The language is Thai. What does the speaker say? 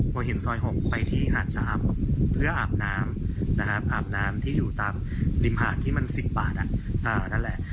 พอเห็นซอย๖ไปที่หาดสะอาบเพื่ออาบน้ำนะครับอาบน้ำที่อยู่ตามริมหาดที่มัน๑๐บาทนั่นแหละ